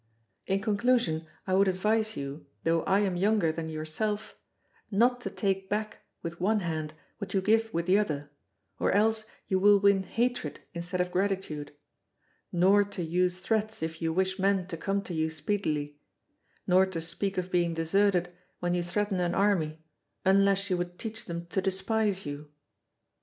In conclusion, I would advise you, though I am younger than yourself, not to take back with one hand what you give with the other, or else you will win hatred instead of gratitude; nor to use threats if you wish men to come to you speedily; nor to speak of being deserted when you threaten an army, unless you would teach them to despise you.